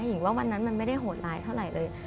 หญิงว่าวันนั้นมันไม่ได้โหดร้ายเท่าไหร่เลย